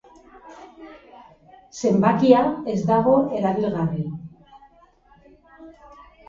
Zenbakia ez dago erabilgarri.